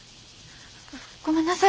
ごめんなさい。